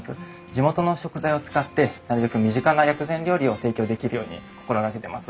地元の食材を使ってなるべく身近な薬膳料理を提供できるように心がけてます。